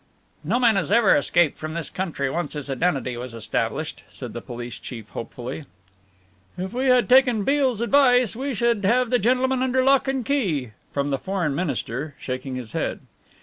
"No man has ever escaped from this country once his identity was established," said the police chief hopefully. "If we had taken Beale's advice we should have the gentleman under lock and key," said the Foreign Minister, shaking his head.